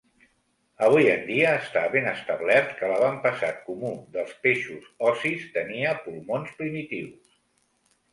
Avui en dia, està ben establert que l'avantpassat comú dels peixos ossis tenia pulmons primitius.